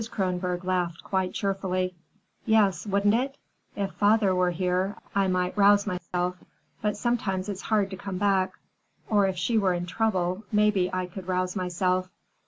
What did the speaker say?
Kronborg laughed quite cheerfully. "Yes, wouldn't it? If father were here, I might rouse myself. But sometimes it's hard to come back. Or if she were in trouble, maybe I could rouse myself."